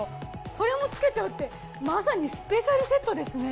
これも付けちゃうってまさにスペシャルセットですね。